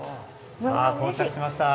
さあ到着しました。